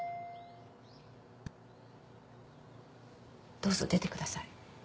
・どうぞ出てください。